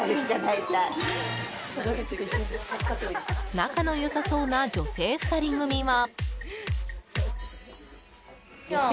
仲の良さそうな女性２人組は。